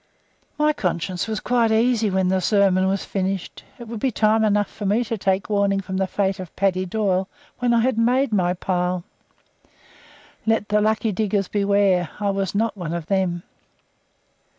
My conscience was quite easy when the sermon was finished. It would be time enough for me to take warning from the fate of Paddy Doyle when I had made my pile. Let the lucky diggers beware! I was not one of them.